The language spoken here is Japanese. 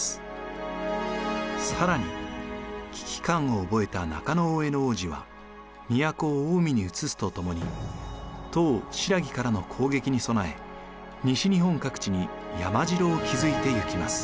更に危機感を覚えた中大兄皇子は都を近江にうつすとともに唐新羅からの攻撃に備え西日本各地に山城を築いていきます。